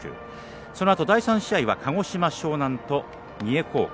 そのあと第３試合は鹿児島、樟南と三重高校。